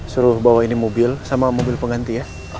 suruh bawa ini mobil sama mobil pengganti ya